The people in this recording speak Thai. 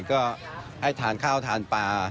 ก็ให้ทานข้าวทานปลา